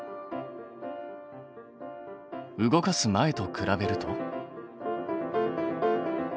動かす前と比べると？